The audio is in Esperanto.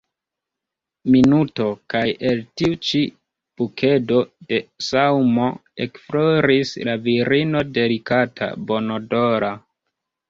Minuto kaj el tiu ĉi bukedo de ŝaŭmo ekfloris la virino delikata, bonodora.